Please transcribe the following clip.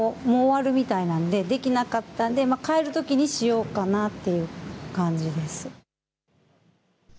きょうのがもう終わるみたいなんでできなかったんで帰るときにしようかなという感じです。